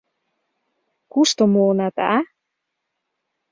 — Кушто муынат, а?